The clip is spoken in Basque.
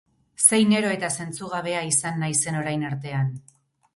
Zein ero eta zentzugabea izan naizen orain artean!